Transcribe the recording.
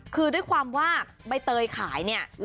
คือด้วยความว่าใบเตยขายเนี่ย